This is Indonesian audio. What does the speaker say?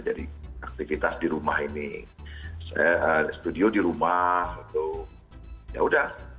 jadi aktivitas di rumah ini studio di rumah ya udah